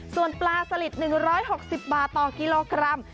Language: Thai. ส่วนปลาสลิด๑๖๐บาทต่อกิโลกรัม